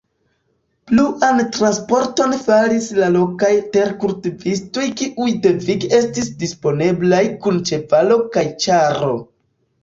Pluan transporton faris la lokaj terkultivistoj kiuj devige estis disponeblaj kun ĉevalo kaj ĉaro.